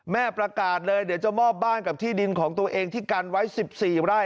แม่ประกาศเลยเดี๋ยวจะมอบบ้านกับที่ดินของตัวเองที่กันไว้๑๔ไร่